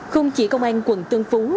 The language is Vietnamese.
không chỉ công an quận tân phú